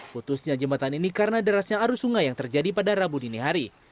putusnya jembatan ini karena derasnya arus sungai yang terjadi pada rabu dini hari